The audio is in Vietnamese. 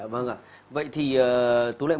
vâng ạ vậy thì tú lệ